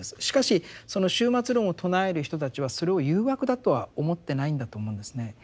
しかしその終末論を唱える人たちはそれを誘惑だとは思ってないんだと思うんですね。